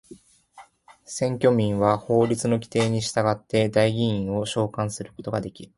選挙民は法律の規定に従って代議員を召還することができる。